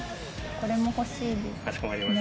これも欲しいです。